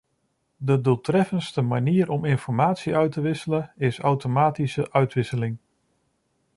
De doeltreffendste manier om informatie uit te wisselen is automatische uitwisseling.